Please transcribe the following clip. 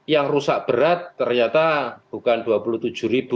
yang rusak berat ternyata bukan rp dua puluh tujuh